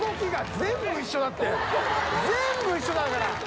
全部一緒だから！」